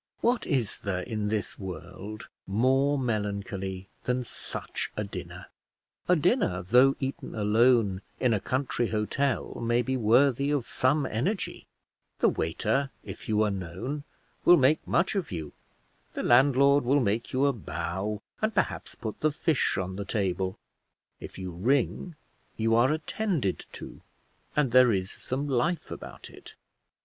What is there in this world more melancholy than such a dinner? A dinner, though eaten alone, in a country hotel may be worthy of some energy; the waiter, if you are known, will make much of you; the landlord will make you a bow and perhaps put the fish on the table; if you ring you are attended to, and there is some life about it.